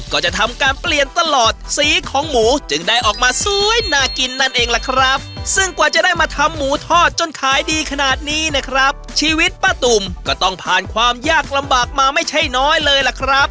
ก็ต้องผ่านความยากลำบากมาไม่ใช่น้อยเลยล่ะครับ